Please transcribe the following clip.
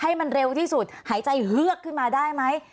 ให้มันเร็วที่สุดหายใจเฮือกขึ้นมาได้ไหม